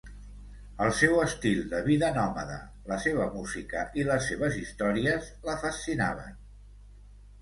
El seu estil de vida nòmada, la seva música i les seves històries la fascinaven.